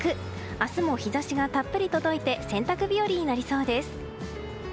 明日も日差しがたっぷり届いて洗濯日和になりそうです。